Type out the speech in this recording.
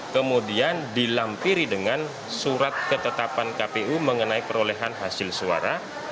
kemudian dilampiri dengan surat ketetapan kpu mengenai perolehan hasil suara